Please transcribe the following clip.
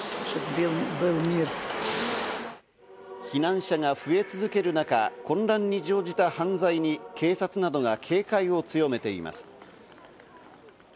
避難者が増え続ける中、混乱に乗じた犯罪に警察などが警戒を強めています。